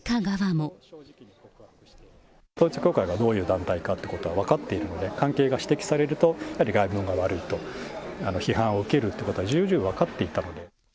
統一教会がどういう団体かということは分かっているので、関係が指摘されると、やはり外聞が悪いと、批判を受けるということは重々分かっていたので。